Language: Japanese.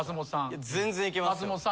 いや全然いけますよ。